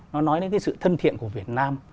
nó nói đến sự thân thiện của việt nam